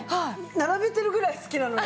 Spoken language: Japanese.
並べてるぐらい好きなのね。